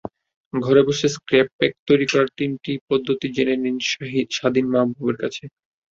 ঘরে বসে scrub pack তৈরির তিনটি পদ্ধতি জেনে নিন শাদীন মাহবুবের কাছে।